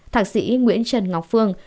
thạc sĩ nguyễn trần ngọc phương